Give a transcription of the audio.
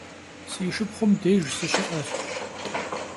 Si şşıpxhum dêjj sışı'eş.